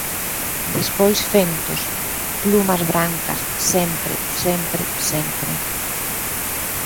Despois fentos, plumas brancas, sempre, sempre, sempre...